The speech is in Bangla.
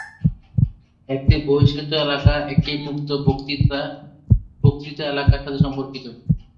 একটি বহিষ্কৃত এলাকা একটি মুক্ত বক্তৃতা এলাকার সাথে সম্পর্কিত।